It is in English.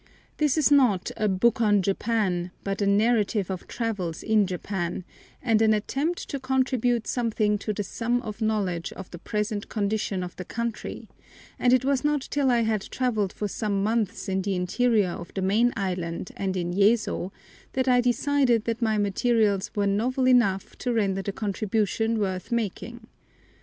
This is not a "Book on Japan," but a narrative of travels in Japan, and an attempt to contribute something to the sum of knowledge of the present condition of the country, and it was not till I had travelled for some months in the interior of the main island and in Yezo that I decided that my materials were novel enough to render the contribution worth making.